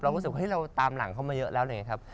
รู้สึกว่าเราตามหลังเขามาเยอะแล้วอะไรอย่างนี้ครับ